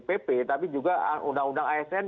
pp tapi juga undang undang asn